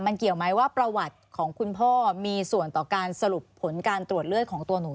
มันเกี่ยวไหมว่าประวัติของคุณพ่อมีส่วนต่อการสรุปผลการตรวจเลือดของตัวหนู